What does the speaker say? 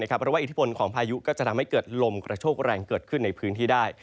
เพราะว่าอิทธิพลของพายุก็จะทำให้เกิดลมกระโชกแรงเกิดขึ้นในพื้นที่ได้